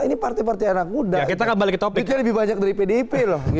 ini partai partai anak muda duitnya lebih banyak dari pdip